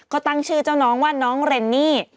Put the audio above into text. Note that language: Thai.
ก็ตั้งชื่อเจ้าน้องว่าน้องเรนนี่